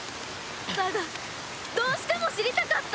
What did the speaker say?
だがどうしても知りたかった！